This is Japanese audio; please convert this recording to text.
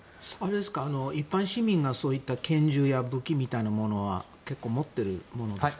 一般市民がそういった拳銃や武器みたいなものは結構持ってるんですか？